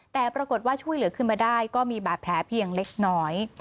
แต่ปรากฏว่าช่วยเหลือขึ้นมาได้ก็มีบาดแผลเพียงเล็กน้อย